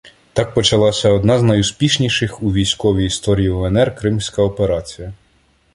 Так почалася одна з найуспішніших у військовій історії УНР Кримська операція.